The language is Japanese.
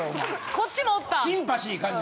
こっちもおった！